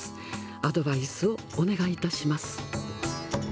アドバイスをお願いいたします。